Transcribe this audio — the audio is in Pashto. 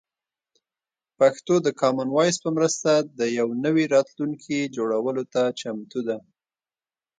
پښتو د کامن وایس په مرسته د یو نوي راتلونکي جوړولو ته چمتو ده.